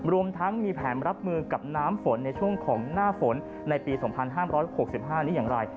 รวมทั้งมีแผนรับมือกับน้ำฝนในช่วงของหน้าฝนในปี๒๕๖๕นี้อย่างไร